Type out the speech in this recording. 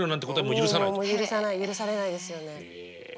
許されないですよね。